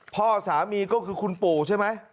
พ่อสามีก็คือคุณปู่ใช่ไหม